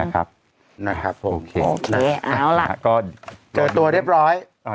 นะครับนะครับโอเคโอเคเอาล่ะก็เจอตัวเรียบร้อยอ่า